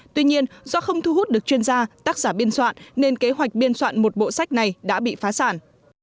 tuy nhiên do không thu hút được chuyên gia tác giả biên soạn nên kế hoạch biên soạn một bộ sách này đã bị phá sản